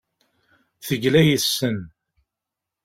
Tegla yes-sen.